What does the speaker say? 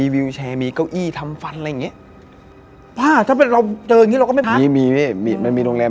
เดี๋ยวผมเดินเขราโรงแรม